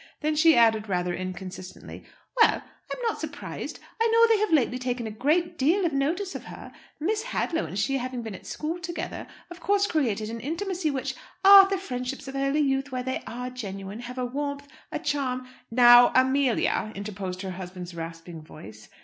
Then she added rather inconsistently, "Well, I'm not surprised. I know they have lately taken a great deal of notice of her. Miss Hadlow and she having been at school together, of course created an intimacy which ah, the friendships of early youth, where they are genuine, have a warmth, a charm " "Now, Amelia!" interposed her husband's rasping voice.